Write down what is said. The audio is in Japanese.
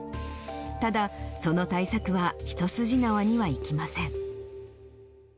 ただ、その対策は一筋縄にはいきません。